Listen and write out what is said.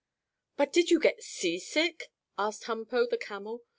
"But did you get seasick?" asked Humpo, the camel.